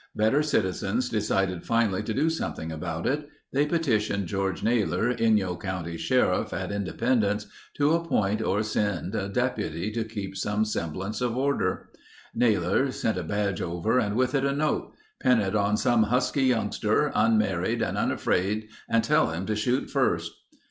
Better citizens decided finally to do something about it. They petitioned George Naylor, Inyo county's sheriff at Independence to appoint or send a deputy to keep some semblance of order. Naylor sent a badge over and with it a note: "Pin it on some husky youngster, unmarried and unafraid and tell him to shoot first."